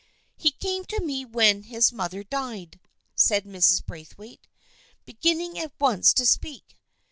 " He came to me when his mother died," said Mrs. Braithwaite, beginning at once to speak.